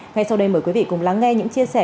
ngay sau đây mời quý vị cùng lắng nghe những chia sẻ